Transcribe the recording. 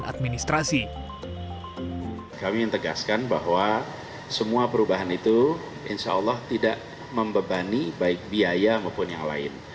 administrasi kami yang tegaskan bahwa semua perubahan itu insya allah tidak membebani baik biaya maupun yang lain